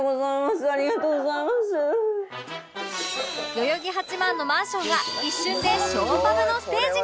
代々木八幡のマンションが一瞬でショーパブのステージに